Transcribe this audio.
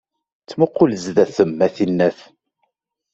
Ttmuqul zdat-m, a tinnat!